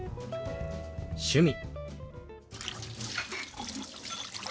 「趣味」。